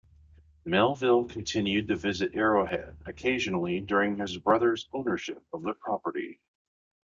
Melville continued to visit Arrowhead occasionally during his brother's ownership of the property.